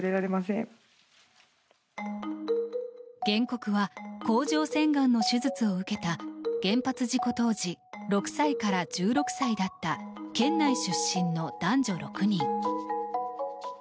原告は、甲状腺がんの手術を受けた原発事故当時６歳から１６歳だった県内出身の男女６人。